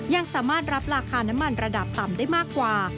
ยังสามารถรับราคาน้ำมันระดับต่ำได้มากกว่า